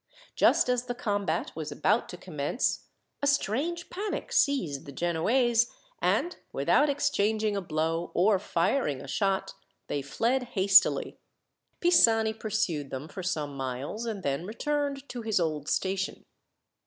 Just as the combat was about to commence a strange panic seized the Genoese, and, without exchanging a blow or firing a shot, they fled hastily. Pisani pursued them for some miles, and then returned to his old station.